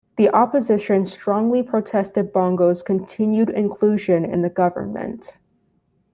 The opposition strongly protested Bongo's continued inclusion in the government.